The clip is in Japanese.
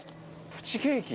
プチケーキ？